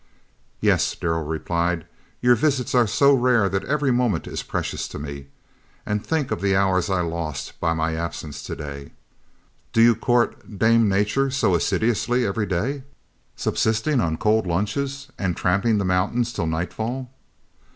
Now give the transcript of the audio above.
"Yes," Darrell replied; "your visits are so rare that every moment is precious to me, and think of the hours I lost by my absence to day!" "Do you court Dame Nature so assiduously every day, subsisting on cold lunches and tramping the mountains till nightfall?"